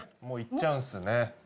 もういっちゃうんすね。